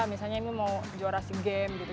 misalnya ini mau juara sea games gitu